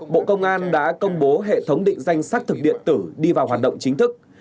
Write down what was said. bộ công an đã công bố hệ thống định danh xác thực điện tử đi vào hoạt động chính thức